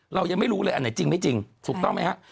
เรายังไม่รู้เลยอันไหนจริงไม่จริงถูกต้องไหมฮะ